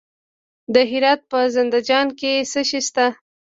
د هرات په زنده جان کې څه شی شته؟